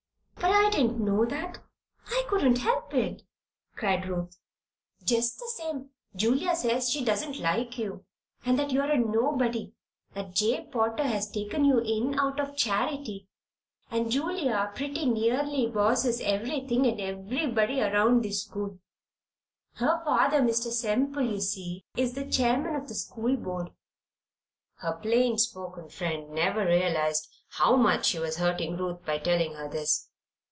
"But I didn't know that. I couldn't help it," cried Ruth. "Just the same, Julia says she doesn't like you and that you're a nobody that Jabe Potter has taken you in out of charity. And Julia pretty nearly bosses everything and everybody around this school. Her father, Mr. Semple, you see, is chairman of the school board." Her plain spoken friend never realized how much she was hurting Ruth by telling her this.